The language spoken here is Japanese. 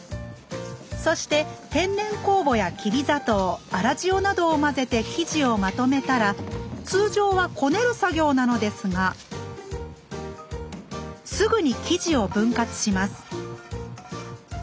そして天然酵母やきび砂糖粗塩などを混ぜて生地をまとめたら通常はこねる作業なのですがすぐに生地を分割します